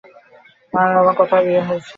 মার অন্য কোথায় বিয়ে হয়েছে।